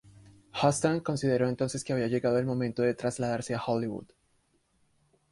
Heston consideró entonces que había llegado el momento de trasladarse a Hollywood.